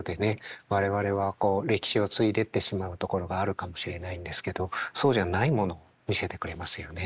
我々はこう歴史を継いでってしまうところがあるかもしれないんですけどそうじゃないもの見せてくれますよね